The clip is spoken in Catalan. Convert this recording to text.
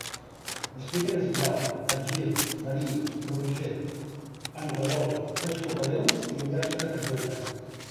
Escric en espiral, capgir, varii, prolifer, enrevolt, faig cucaveles i l’ullastre esbrancat.